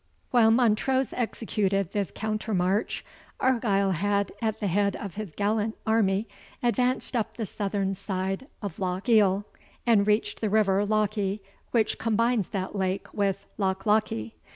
While Montrose executed this counter march, Argyle had, at the head of his gallant army, advanced up the southern side of Loch Eil, and reached the river Lochy, which combines that lake with Loch Lochy.